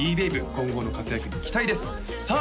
今後の活躍に期待ですさあ